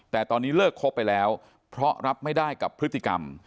แต่ตอนนี้เลิกคบไปแล้วเพราะรับไม่ได้กับพฤติกรรม